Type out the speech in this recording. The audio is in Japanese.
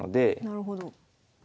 なるほど。